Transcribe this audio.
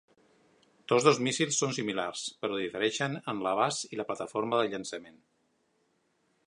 Tots dos míssils són similars, però difereixen en l'abast i la plataforma de llançament.